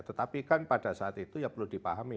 tetapi kan pada saat itu ya perlu dipahami